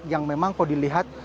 yang memang kalau dilihat